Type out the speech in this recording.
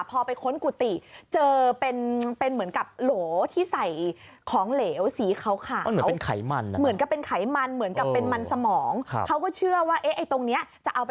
พอไปค้นกุฏิเจอเป็นเหมือนกับโหลที่ใส่ของเหลวสีขาว